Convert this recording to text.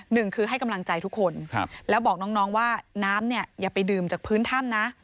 หนึ่งคือให้กำลังใจทุกคนแล้วบอกน้องว่าน้ำเนี่ยอย่าไปดื่มจากพื้นถ้ำนะ